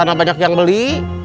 banyak banyak yang beli